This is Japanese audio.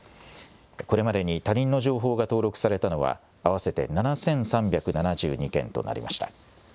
これまでに他人の情報が登録されたのは、合わせて７３７２件となりました。